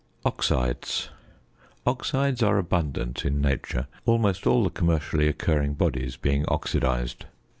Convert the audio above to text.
OXIDES. Oxides are abundant in nature, almost all the commonly occurring bodies being oxidised.